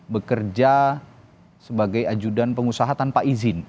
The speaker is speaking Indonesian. bekerja sebagai ajudan pengusaha tanpa izin